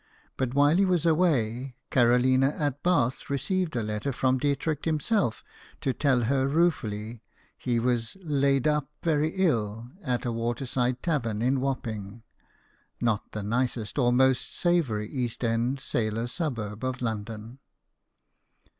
But while he was away, Carolina at Bath received a letter from Dietrich himself, to tell her ruefully he was "laid up very ill " at a waterside tavern in Wapping not the nicest or most savoury East End sailor suburb of London.